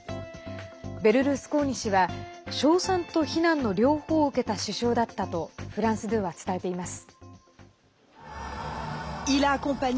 ベルルスコーニ氏は称賛と非難の両方を受けた首相だったとフランス２は伝えています。